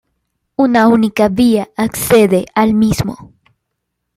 Una única vía accede al mismo.